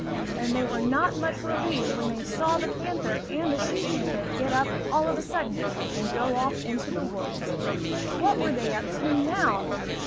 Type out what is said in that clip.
And they were not much relieved when they saw the panther and the she panther get up all of a sudden and go off into the woods. What were they up to now?